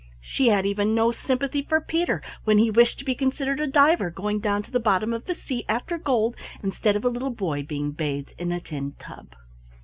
She had even no sympathy for Peter when he wished to be considered a diver going down to the bottom of the sea after gold, instead of a little boy being bathed in a tin tub.